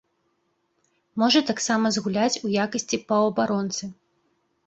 Можа таксама згуляць у якасці паўабаронцы.